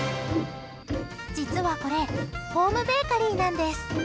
実はこれホームベーカリーなんです。